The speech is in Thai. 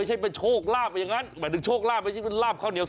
ในปัญหาสที